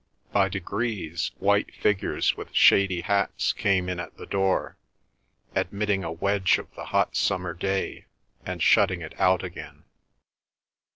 By degrees white figures with shady hats came in at the door, admitting a wedge of the hot summer day, and shutting it out again.